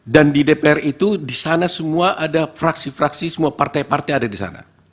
dan di dpr itu di sana semua ada fraksi fraksi semua partai partai ada di sana